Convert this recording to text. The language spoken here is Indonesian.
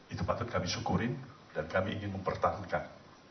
itu patut kami syukurin dan kami ingin mempertahankan